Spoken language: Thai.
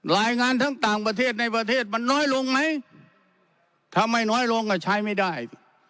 รายงานทั้งต่างประเทศในประเทศมันน้อยลงไหมถ้าไม่น้อยลงก็ใช้ไม่ได้